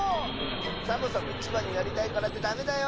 サボさんもいちばんになりたいからってダメだよ！